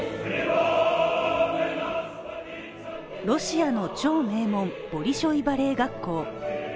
ロシアの超名門ボリショイバレエ学校。